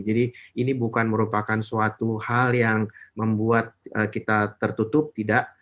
jadi ini bukan merupakan suatu hal yang membuat kita tertutup tidak